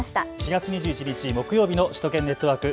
４月２１日木曜日の首都圏ネットワーク。